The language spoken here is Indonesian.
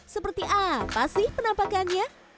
seperti apa sih penampakannya